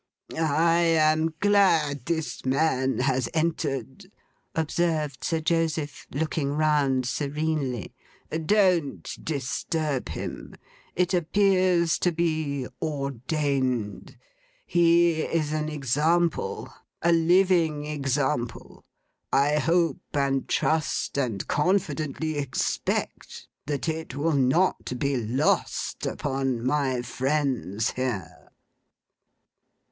'I am glad this man has entered,' observed Sir Joseph, looking round serenely. 'Don't disturb him. It appears to be Ordained. He is an example: a living example. I hope and trust, and confidently expect, that it will not be lost upon my Friends here.